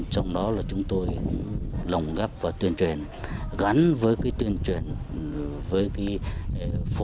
trong đó là chúng tôi lòng gấp và tuyên truyền gắn với tuyên truyền với phổ